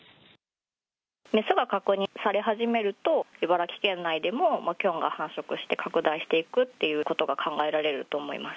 雌が確認され始めると、茨城県内でもキョンが繁殖して拡大していくっていうことが考えられると思います。